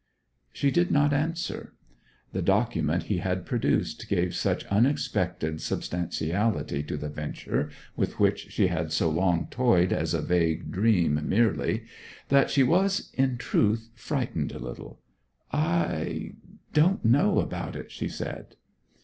She did not answer. The document he had produced gave such unexpected substantiality to the venture with which she had so long toyed as a vague dream merely, that she was, in truth, frightened a little. 'I don't know about it!' she said.